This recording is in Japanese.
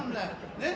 ねっ？